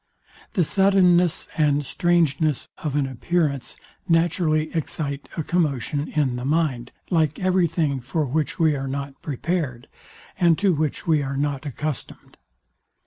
The suddenness and strangeness of an appearance naturally excite a commotion in the mind, like every thing for which we are not prepared, and to which we are not accustomed.